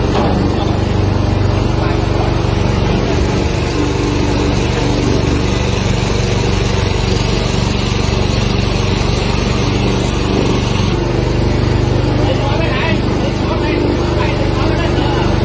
สวัสดีครับ